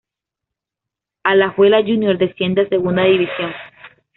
Alajuela Júnior desciende a Segunda División.